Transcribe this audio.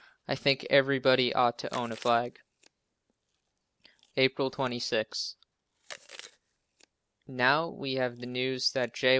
I think everybody ought to own a flag. April 26. Now we have the news that J.